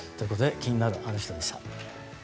気になるアノ人でした。